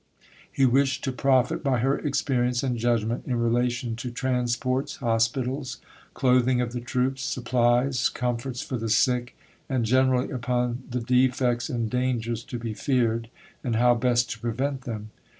He wished to profit by her experience and judgment in relation to transports, hospitals, clothing of the troops, supplies, comforts for the sick, and generally upon "the defects and dangers to be feared," and how best to prevent them.